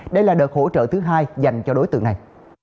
đây là đợt hỗ trợ thứ hai dành cho đối tượng này